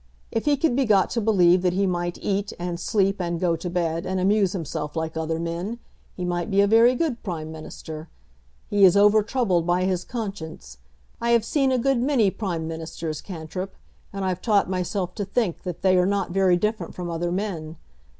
If he could be got to believe that he might eat, and sleep, and go to bed, and amuse himself like other men, he might be a very good Prime Minister. He is over troubled by his conscience. I have seen a good many Prime Ministers, Cantrip, and I've taught myself to think that they are not very different from other men.